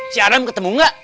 si adam ketemu gak